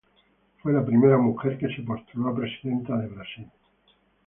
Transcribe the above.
Fue la primera mujer que se postuló a presidenta de Brasil.